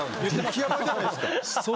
激ヤバじゃないですか。